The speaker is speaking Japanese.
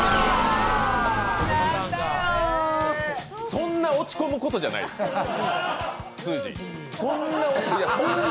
そんな落ち込むことじゃないです、すーじー。